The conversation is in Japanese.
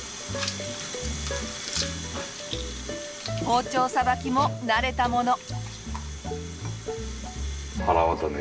包丁さばきも慣れたもの。